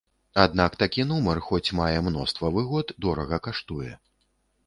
Аднак такі нумар, хоць мае мноства выгод, дорага каштуе.